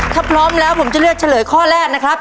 ถ้าพร้อมแล้วผมจะเลือกเฉลยข้อแรกนะครับ